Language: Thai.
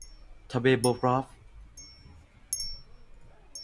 ทะเลโบฟอร์ต